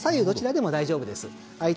どちらでも大丈夫です。